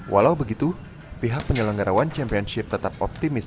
walau begitu pihak penyelenggara one championship tetap optimis